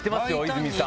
泉さん